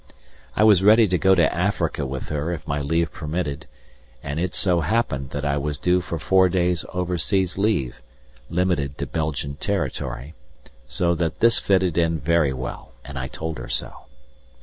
I was ready to go to Africa with her if my leave permitted, and it so happened that I was due for four days' overseas leave (limited to Belgian territory) so that this fitted in very well, and I told her so.